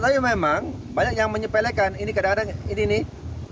tapi memang banyak yang menyepelekan ini kadang kadang ini nih